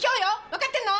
わかってんの！？